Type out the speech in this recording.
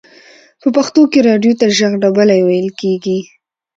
په پښتو کې رادیو ته ژغ ډبلی ویل کیږی.